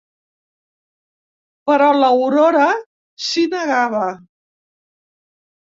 Però l'Aurora s'hi negava.